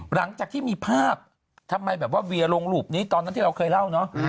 หลังจากที่มีภาพทำไมแบบว่าเวียลงรูปนี้ตอนนั้นที่เราเคยเล่าเนอะ